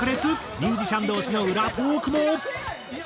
ミュージシャン同士の裏トークも。